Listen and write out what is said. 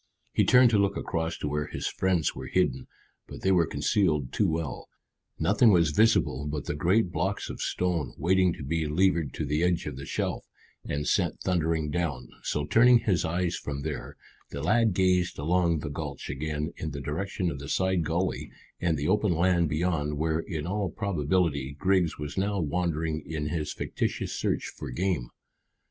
He turned to look across to where his friends were hidden, but they were concealed too well; nothing was visible but the great blocks of stone waiting to be levered to the edge of the shelf and sent thundering down; so turning his eyes from there, the lad gazed along the gulch again in the direction of the side gully and the open land beyond, where in all probability Griggs was now wandering in his fictitious search for game.